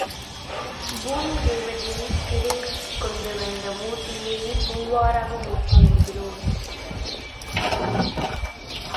பூமிதேவியை சிறை மீட்டுக் கொண்டு வந்த மூர்த்தியையே பூவராக மூர்த்தி என்கிறோம்.